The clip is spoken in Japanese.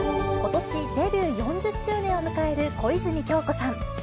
ことし、デビュー４０周年を迎える小泉今日子さん。